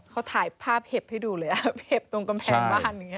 เขาถ่ายภาพเห็บให้ดูเลยหับเห็บตรงกำแพงบ้าน